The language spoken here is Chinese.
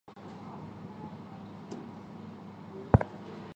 长蒴圆叶报春为报春花科报春花属下的一个种。